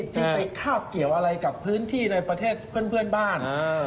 ซึ่งไปคาบเกี่ยวอะไรกับพื้นที่ในประเทศเพื่อนบ้าน